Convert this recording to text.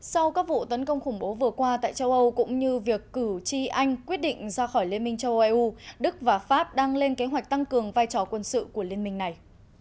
sau các vụ tấn công khủng bố vừa qua tại châu âu cũng như việc cử tri anh quyết định ra khỏi liên minh châu âu eu đức và pháp đang lên kế hoạch tăng cường vai trò quân sự của liên minh này